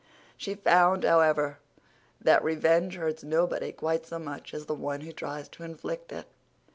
She found, however, that revenge hurts nobody quite so much as the one who tries to inflict it.